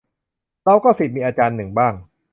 เราก็ศิษย์มีอาจารย์ หนึ่งบ้าง